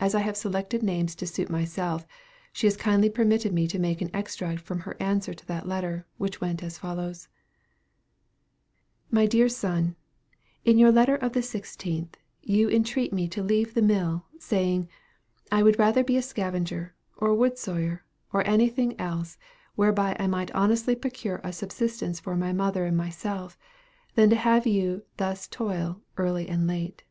As I have selected names to suit myself, she has kindly permitted me to make an extract from her answer to that letter, which was as follows: "My Dear Son, in your letter of the 16th, you entreat me to leave the mill, saying, 'I would rather be a scavenger, a wood sawyer, or anything, whereby I might honestly procure a subsistence for my mother and myself, than have you thus toil, early and late.